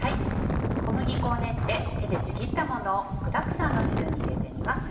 小麦粉を練って手でちぎったものを具だくさんの汁に入れて煮ます。